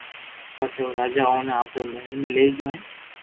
پسو راجا اوني آپرو مھل ۾ لئي گيو ھين